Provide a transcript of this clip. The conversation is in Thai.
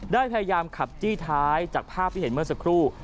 ได้พยายามขับจี้ท้ายจากภาพที่เห็นเมื่อสักครู่